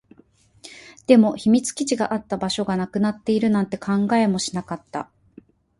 でも、秘密基地があった場所がなくなっているなんて考えもしなかった